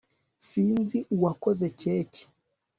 sinzi uwakoze keke